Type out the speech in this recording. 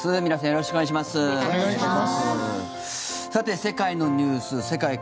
よろしくお願いします。